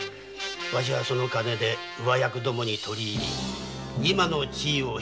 わしはその金で上役どもに取り入り今の地位を手にした。